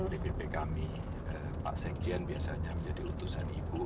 dpp kami pak sekjen biasanya menjadi utusan ibu